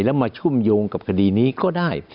แล้วมาชุ่มโยงกับคดีนี้ก็ได้